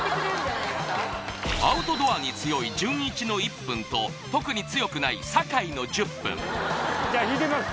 アウトドアに強いじゅんいちの１分と特に強くない酒井の１０分じゃあ引いてみます